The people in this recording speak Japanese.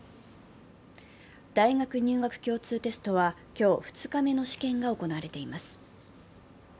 大学入学共通テストは今日、２日目の試験が行われています。